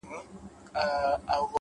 تا هچيش ساتلې دې پر کور باڼه”